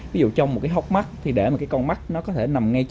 ví dụ trong một cái hốc mắt thì để mà cái con mắt nó có thể nằm ngay